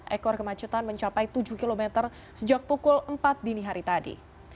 ekor kemacetan mencapai tujuh km sejak pukul empat dini hari tadi